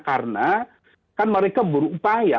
karena mereka berupaya